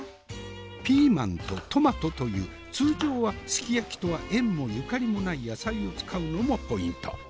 ピーマンとトマトという通常はすき焼きとは縁もゆかりもない野菜を使うのもポイント。